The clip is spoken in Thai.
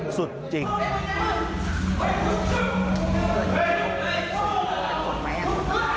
สุดจริง